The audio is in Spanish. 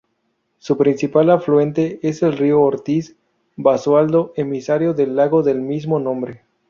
Su principal afluente es el río Ortiz Basualdo, emisario del lago del mismo nombre.